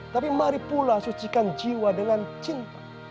tapi mari pula sucikan jiwa dengan cinta